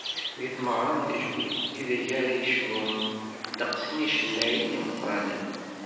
D tameɣra n tejmilt, ideg ara cennun ddeqs n yicennayen imeqqranen.